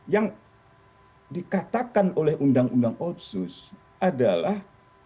yang dikatakan oleh undang undang otsus adalah